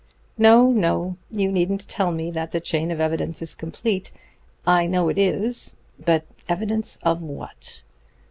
No, no; you needn't tell me that the chain of evidence is complete. I know it is. But evidence of what?